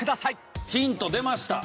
ヒント出ました。